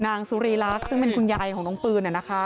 นางสุรีรักษ์ซึ่งเป็นคุณยายของน้องปืน